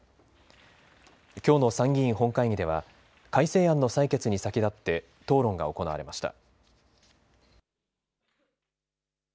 きょうの参議院本会議では改正案の採決に先立って討論が行われました。